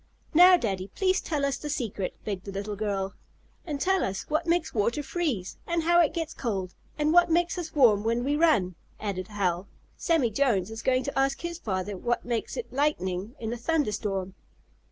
"Now, Daddy, please tell us the secret," begged the little girl. "And tell us what makes water freeze, and how it gets cold, and what makes us warm when we run," added Hal. "Sammie Jones is going to ask his father what makes it lightning in a thunder storm."